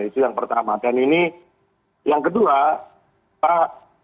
dan ini yang kedua pak